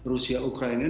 ini yang cukup berat